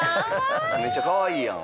めっちゃかわいいやん。